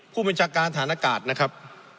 ผู้บัญชาการฐานอากาศนะครับ